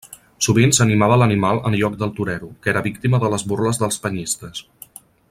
Sovint s'animava l'animal en lloc del torero, que era víctima de les burles dels penyistes.